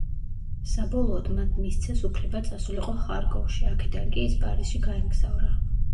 საბოლოოდ მას მისცეს უფლება წასულიყო ხარკოვში; აქედან კი ის პარიზში გაემგზავრა.